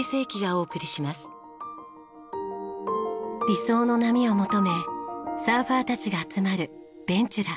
理想の波を求めサーファーたちが集まるベンチュラ。